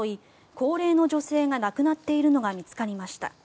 高齢の女性が亡くなっているのが見つかりました。